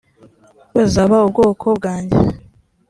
bazaba ubwoko bwanjye